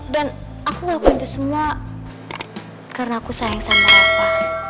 dan aku ngelakuin itu semua karena aku sayang sama reva